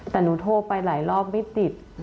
แต่หนูโทรไปหลายรอบไม่ติด